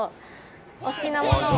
お好きなものを。